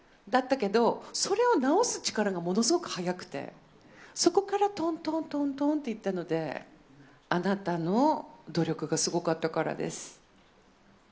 だったけど、それを直す力がものすごく早くて、そこからとんとんとんとんっていったので、あなたの努力がすごかったからです。